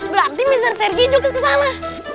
berarti mr sergi juga kesana